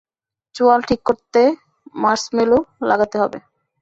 চোয়াল ঠিক করতে মার্সমেলো লাগাতে হবে।